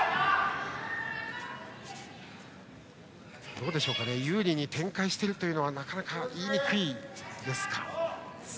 どうでしょう有利に展開しているというのはなかなか言いにくいですか。